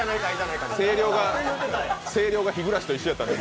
声量がヒグラシと一緒やったんで。